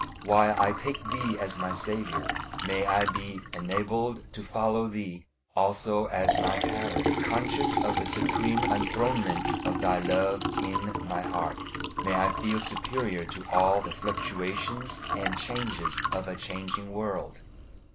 While I take Thee as my Saviour, may I be enabled to follow Thee also as my pattern; conscious of the supreme enthronement of Thy love in my heart, may I feel superior to all the fluctuations and changes of a changing world.